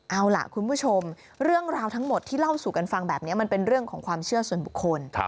เอาล่ะคุณผู้ชมเรื่องราวทั้งหมดที่เล่าสู่กันฟังแบบนี้มันเป็นเรื่องของความเชื่อส่วนบุคคล